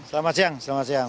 selamat siang selamat siang